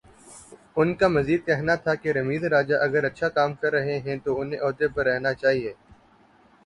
ان کا مزید کہنا تھا کہ رمیز راجہ اگر اچھا کام کررہے ہیں تو انہیں عہدے پر جاری رہنا چاہیے۔